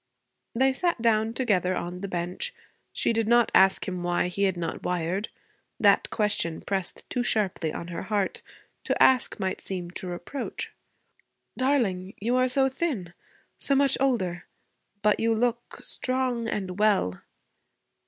They sat down together on the bench. She did not ask him why he had not wired. That question pressed too sharply on her heart; to ask might seem to reproach. 'Darling, you are so thin, so much older, but you look strong and well.'